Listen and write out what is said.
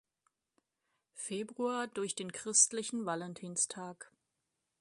Februar durch den christlichen Valentinstag.